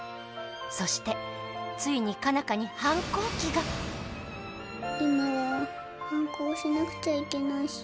そしてついに佳奈花に反抗期が今は反抗しなくちゃいけないし。